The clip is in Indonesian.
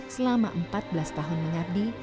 selama empat belas tahun mengabdi